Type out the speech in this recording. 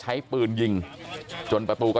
แต่ว่าวินนิสัยดุเสียงดังอะไรเป็นเรื่องปกติอยู่แล้วครับ